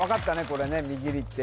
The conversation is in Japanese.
これねみぎりって